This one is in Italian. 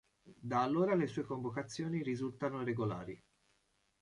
Da allora le sue convocazioni risultano regolari.